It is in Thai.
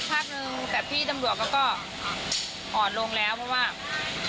ก็คุยกันสักพักนึงแต่พี่ตำรวจเขาก็อดลงแล้วเพราะว่าเด็กคุณนี่มันนีด่านมาเพราะว่าด่านชอบตั้งอยู่ตรงนี้ไม่มีหมวก